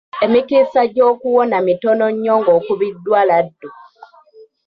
Emikisa gy'okuwona mitono nnyo ng'okubiddwa laddu.